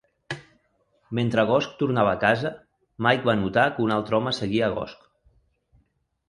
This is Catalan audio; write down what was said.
Mentre Gosch tornava a casa, Mike va notar que un altre home seguia a Gosch.